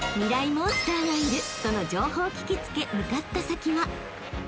モンスターがいるとの情報を聞き付け向かった先は］